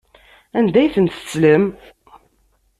Anda ay ten-tettlem?